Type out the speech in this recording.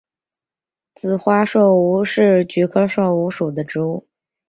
紫花橐吾是菊科橐吾属的植物。